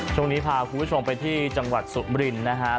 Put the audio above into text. ช่วงนี้พาคุณผู้ชมไปที่จังหวัดสุมรินนะฮะ